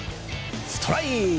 ストライク！